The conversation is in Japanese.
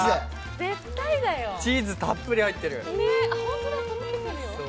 チーズたっぷり入ってる。